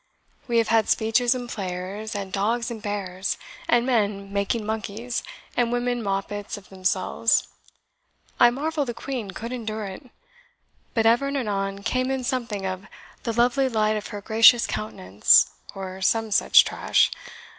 We have had speeches and players, and dogs and bears, and men making monkeys and women moppets of themselves I marvel the Queen could endure it. But ever and anon came in something of 'the lovely light of her gracious countenance,' or some such trash.